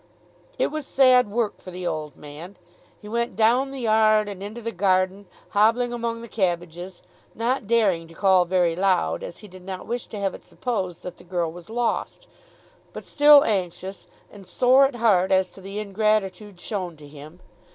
It was sad work for the old man. He went down the yard and into the garden, hobbling among the cabbages, not daring to call very loud, as he did not wish to have it supposed that the girl was lost; but still anxious, and sore at heart as to the ingratitude shown to him.